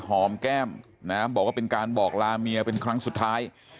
หอมแก้มนะบอกว่าเป็นการบอกลาเมียเป็นครั้งสุดท้าย